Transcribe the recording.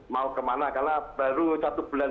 mau kemana karena baru satu bulan